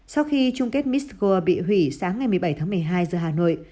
sau khi chung kết miscow bị hủy sáng ngày một mươi bảy tháng một mươi hai giờ hà nội